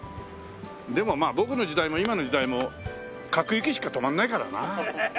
でもまあ僕の時代も今の時代も各駅しか止まらないからな。